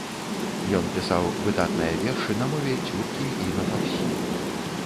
Ён пісаў выдатныя вершы на мове цюркі і на фарсі.